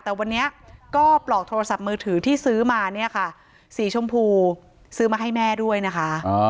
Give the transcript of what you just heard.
แต่วันนี้ก็ปลอกโทรศัพท์มือถือที่ซื้อมาเนี่ยค่ะสีชมพูซื้อมาให้แม่ด้วยนะคะ